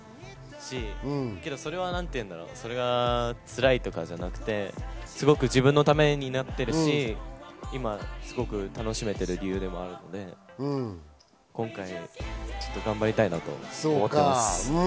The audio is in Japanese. けどそれは、つらいとかじゃなくて、すごく自分のためになっているし、今、すごく楽しめている理由でもあるので、今回頑張りたいなと思っています。